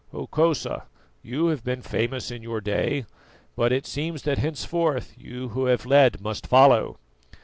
Hokosa, you have been famous in your day, but it seems that henceforth you who have led must follow."